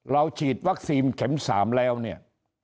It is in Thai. เราฉีดวัคซีมเข็มสามแล้วเนี่ย